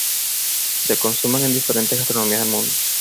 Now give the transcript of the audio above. Se consumen en diferentes gastronomías del mundo.